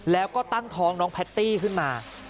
แล้วก็ตั้งท้องน้องแพตตี้ขึ้นมา